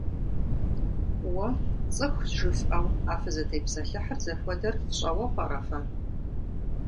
Уа, цӀыхущ жыфӀэу а фызытепсэлъыхьыр зыхуэдэр фщӀэуэ пӀэрэ фэ?